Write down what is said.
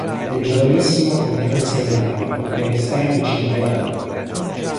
Da giovanissimo entrò in seminario per restarvi cinque anni.